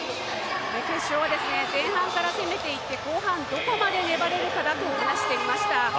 決勝は前半から攻めていって、後半、どこまで粘れるかだと話していました。